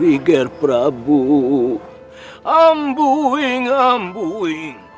tim tim tim tim tim